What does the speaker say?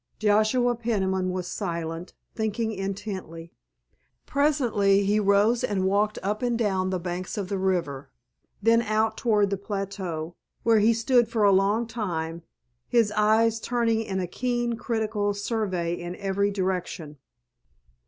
Joshua Peniman was silent, thinking intently. Presently he rose and walked up and down the banks of the river, then out toward the plateau, where he stood for a long time, his eyes turning in a keen, critical survey in every direction.